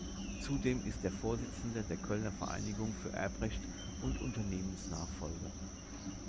Zudem ist er Vorsitzender der Kölner Vereinigung für Erbrecht und Unternehmensnachfolge.